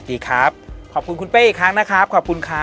ทุกท่านขอบคุณทุกคนสว